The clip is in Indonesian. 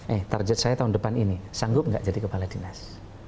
eh target saya tahun depan ini sanggup gak jadi kepala dinas